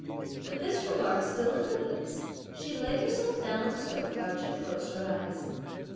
With this remark still on her lips, she lay herself down on the stove couch and closed her eyes.